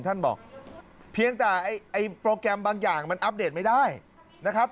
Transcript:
ท่านบอกเพียงแต่ไอ้โปรแกรมบางอย่างมันอัปเดตไม่ได้นะครับ